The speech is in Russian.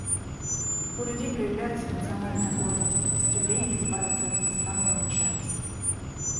У людей проявляются национальная гордость, стремление избавиться от иностранного вмешательства.